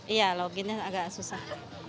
iya loginnya agak susah